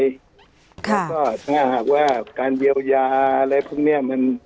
แล้วก็ถ้าหากว่าการเยียวยาอะไรพวกนี้